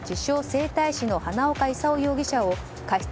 整体師の花岡功容疑者を過失